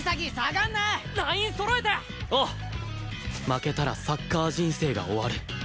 負けたらサッカー人生が終わる